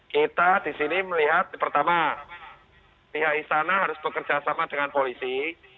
kita di sini melihat pertama pihak istana harus bekerja sama dengan polisi